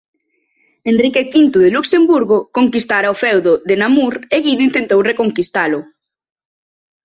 Henrique V de Luxemburgo conquistara o feudo de Namur e Guido intentou reconquistalo.